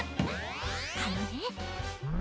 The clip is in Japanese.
あのね。